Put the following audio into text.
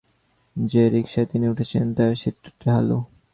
যে রিকশায় তিনি উঠেছেন, তার সিটটা ঢালু।